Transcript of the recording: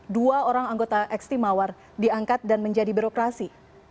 dua orang anggota ekstrim mawar diangkat dan menjadi birokrasi